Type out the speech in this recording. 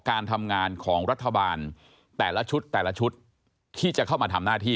การทำงานของรัฐบาลแต่ละชุดแต่ละชุดที่จะเข้ามาทำหน้าที่